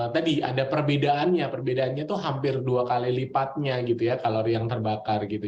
tadi ada perbedaannya perbedaannya itu hampir dua kali lipatnya gitu ya kalori yang terbakar gitu